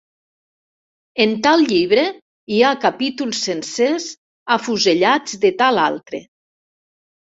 En tal llibre hi ha capítols sencers afusellats de tal altre.